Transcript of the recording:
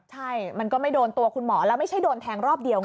ใช่มันก็ไม่โดนตัวคุณหมอแล้วไม่ใช่โดนแทงรอบเดียวไง